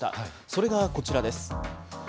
それがこちらです。